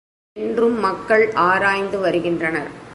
என்றும் மக்கள் ஆராய்ந்து வருகின்றனர்.